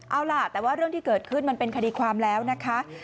เอาล่ะแต่ว่าเรื่องที่เกิดขึ้นมันเป็นคดีความแล้วนะคะ